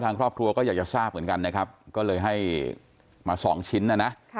ทางครอบครัวก็อยากจะทราบเหมือนกันนะครับก็เลยให้มาสองชิ้นนะนะ